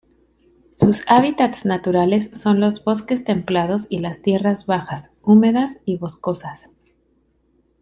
Sus hábitats naturales son los bosques templados y las tierras bajas, húmedas y boscosas.